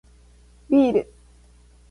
ビール